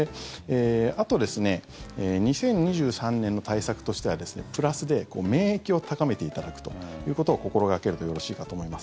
あと、２０２３年の対策としてはプラスで免疫を高めていただくということを心掛けるとよろしいかと思います。